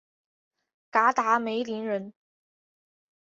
嘎达梅林人。